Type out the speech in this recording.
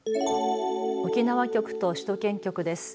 沖縄局と首都圏局です。